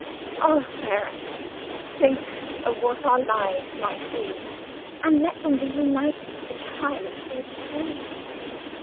oh, Sara, think of what our lives might be, and let them be united for time and for eternity.